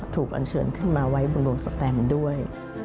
ถูกอัญเชิญให้ขึ้นมาบนลงสตาม์ด้วย